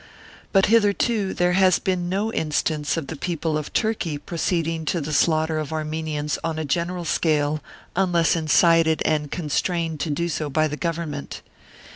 But hitherto there has been no instance of the people of Turkey proceeding to the slaughter of Armenians on a general scale unless incited and constrained to do so by the Government.